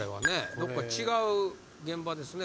どっか違う現場ですね